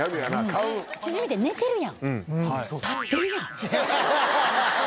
チヂミって寝てるやん。